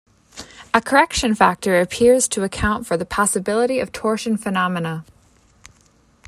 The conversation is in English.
A correction factor appears to account for the possibility of torsion phenomena.